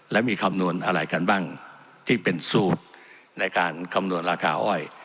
และมีคำนวณอะไรกันบ้างที่เป็นสูตรในการคำนวณราคาอ้อย